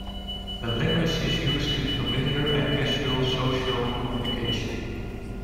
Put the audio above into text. The language is used in familiar and casual social communication.